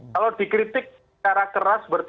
kalau dikritik secara keras